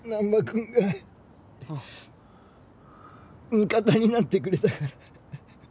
味方になってくれたから。